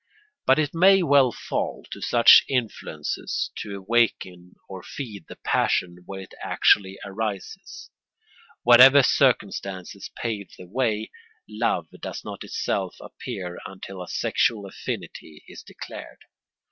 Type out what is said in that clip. But it may well fall to such influences to awaken or feed the passion where it actually arises. Whatever circumstances pave the way, love does not itself appear until a sexual affinity is declared.